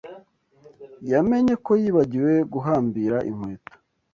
yamenye ko yibagiwe guhambira inkweto.